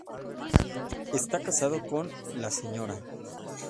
Está casado con la Sra.